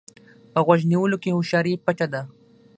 په غوږ نیولو کې هوښياري پټه ده.